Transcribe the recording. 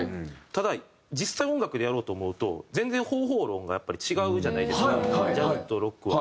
ただ実際音楽でやろうと思うと全然方法論がやっぱり違うじゃないですかジャズとロックは。